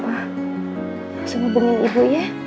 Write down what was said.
langsung hubungin ibu ya